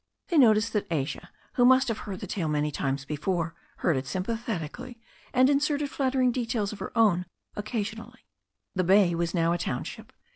They noticed that Asia, who must have heard the tale many times before, heard it sympathetically, and inserted flattering details of her own occasionally. The bay was now a township.